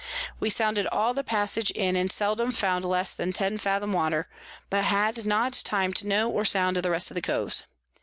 We sounded all the Passage in, and seldom found less than ten Fathom Water, but had not time to know or sound the rest of the Coves.